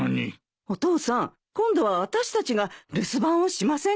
お父さん今度は私たちが留守番をしませんか？